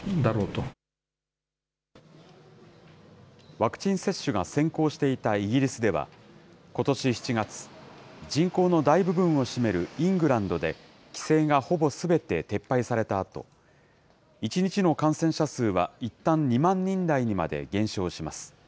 ワクチン接種が先行していたイギリスでは、ことし７月、人口の大部分を占めるイングランドで規制がほぼすべて撤廃されたあと、１日の感染者数はいったん２万人台にまで減少します。